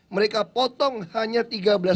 mereka potong hanya kecil